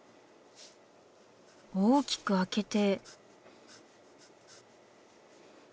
大きくあけて。